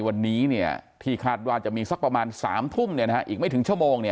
วันนี้เนี่ยที่คาดว่าจะมีสักประมาณสามทุ่มเนี่ยอีกไม่ถึง